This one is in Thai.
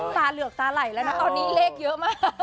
ตาเหลือกตาไหลแล้วนะตอนนี้เลขเยอะมาก